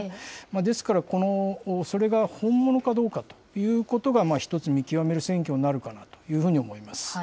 ですから、それが本物かどうかということが、一つ、見極める選挙になるかなというふうに思います。